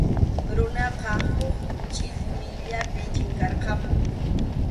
Runaqa huk chʼillmiyllapi chinkarqapun.